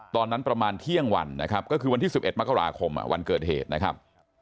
ประมาณเที่ยงวันนะครับก็คือวันที่๑๑มกราคมวันเกิดเหตุนะครับ